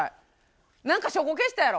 なんか証拠消したやろ。